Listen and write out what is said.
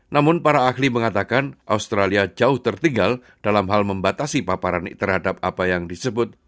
namun para ahli mengatakan australia jauh tertinggal dalam hal membatasi paparan terhadap apa yang disebut